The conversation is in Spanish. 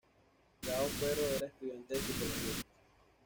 Gabo Ferro era estudiante de psicología.